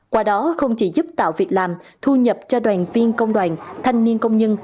qua đó không chỉ giúp tạo việc làm thu nhập cho đoàn viên công đoàn thanh niên công nhân